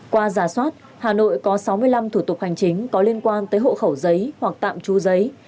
qua giả soát hà nội có sáu mươi năm thủ tục hành chính có liên quan tới hộ khẩu giấy hoặc tạm trú giấy